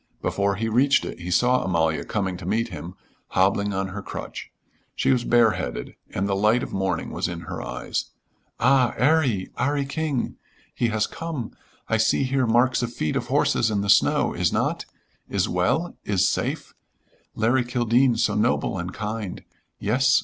Before he reached it he saw Amalia coming to meet him, hobbling on her crutch. She was bareheaded and the light of morning was in her eyes. "Ah, 'Arry, 'Arry King! He has come. I see here marks of feet of horses in the snow is not? Is well? Is safe? Larry Kildene so noble and kind! Yes.